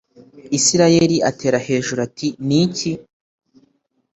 Isirayeli atera hejuru ati ni iki